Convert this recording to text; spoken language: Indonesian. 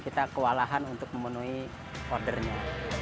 kita kewalahan untuk memenuhi ordernya